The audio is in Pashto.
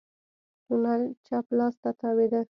تونل چپ لاس ته تاوېده.